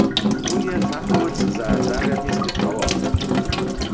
Wón je fachowc za zarjadniske prawo.